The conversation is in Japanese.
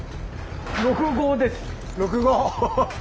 ６５です。